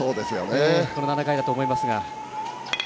この７回だと思います。